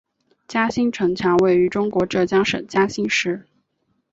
嘉兴城墙位于中国浙江省嘉兴市。